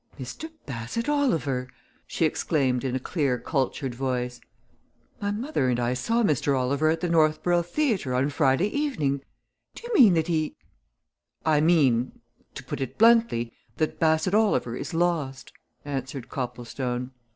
"Mr. Bassett Oliver!" she exclaimed in a clear, cultured voice. "My mother and I saw Mr. Oliver at the Northborough Theatre on Friday evening. Do you mean that he " "I mean to put it bluntly that Bassett Oliver is lost," answered Copplestone.